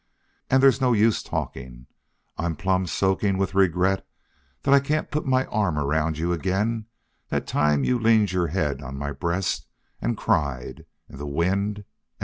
And there's no use talking, I'm plumb soaking with regret that I can't put my arms around you again that time you leaned your head on my breast and cried in the wind and rain."